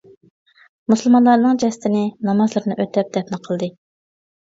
مۇسۇلمانلارنىڭ جەسىتىنى، نامازلىرىنى ئۆتەپ دەپنە قىلدى.